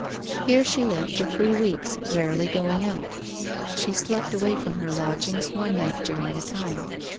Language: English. Here she lived for three weeks, rarely going out. She slept away from her lodgings one night during the time.